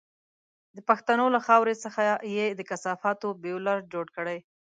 د پښتنو له خاورې څخه یې د کثافاتو بيولر جوړ کړی.